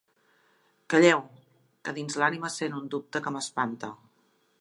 Calleu! Que dins l'ànima sent un dubte que m'espanta.